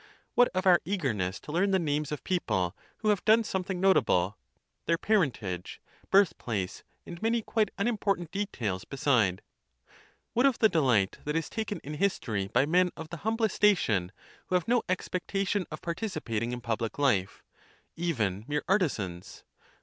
What of our eagerness to learn tbe names of people who have done something notable, their parentage, birth place, and many quite unimportant details beside? What of the delight that is taken in history by men of the humblest station, who have no expectation of participating in public life, even mere artisans?